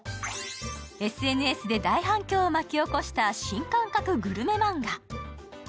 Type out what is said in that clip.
ＳＮＳで大反響を巻き起こした新感覚グルメマンガ。